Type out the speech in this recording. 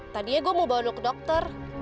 tadinya gue mau bawa ke dokter